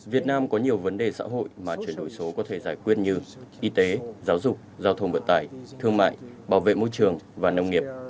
việt nam có nhiều vấn đề xã hội mà chuyển đổi số có thể giải quyết như y tế giáo dục giao thông vận tải thương mại bảo vệ môi trường và nông nghiệp